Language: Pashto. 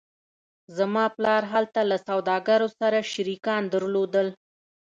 زما پلار هلته له سوداګرو سره شریکان درلودل